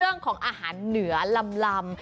เรื่องของอาหารเหนือลำ